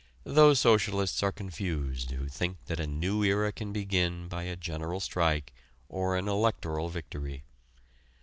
Those socialists are confused who think that a new era can begin by a general strike or an electoral victory.